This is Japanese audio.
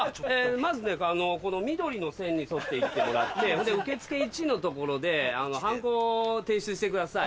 まずねこの緑の線に沿って行ってもらってほんで受付１の所ではんこ提出してください。